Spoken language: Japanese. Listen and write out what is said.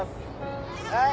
はい。